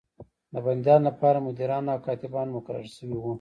د بندیانو لپاره مدیران او کاتبان مقرر شوي وو.